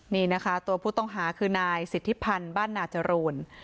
นี่นะคะตัวผู้ต้องหาคือนายสิทธิพันธ์บ้านนาจรูน